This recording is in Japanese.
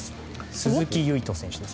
鈴木唯人選手です。